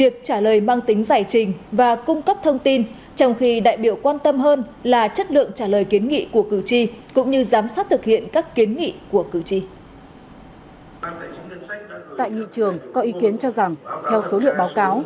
tại nghị trường có ý kiến cho rằng theo số liệu báo cáo